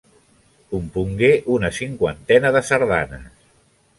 Compongué una cinquantena de sardanes.